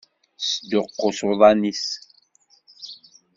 Tesduqqus uḍan-is.